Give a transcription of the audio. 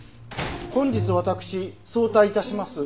本日私早退致します。